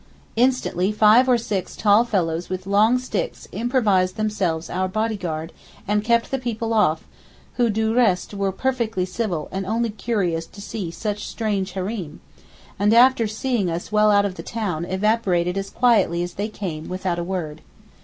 Instantly five or six tall fellows with long sticks improvised themselves our body guard and kept the people off, who du reste were perfectly civil and only curious to see such strange 'Hareem,' and after seeing us well out of the town evaporated as quietly as they came without a word.